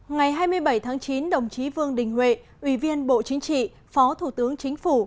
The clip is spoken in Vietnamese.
ngày hai mươi bảy tháng chín đồng chí vương đình huệ ủy viên bộ chính trị phó thủ tướng chính phủ